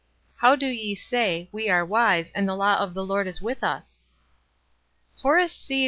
How do ye say, we are wise, and the law of the Lord is with lis?" "Horace C.